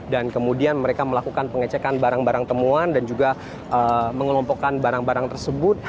dan kemudian mereka melakukan pengecekan barang barang temuan dan juga mengelompokkan barang barang tersebut